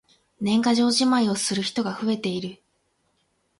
年賀状じまいをする人が増えている。